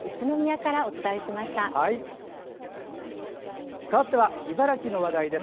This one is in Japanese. かわっては茨城の話題です。